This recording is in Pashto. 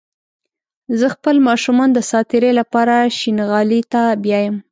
زه خپل ماشومان د ساعتيرى لپاره شينغالي ته بيايم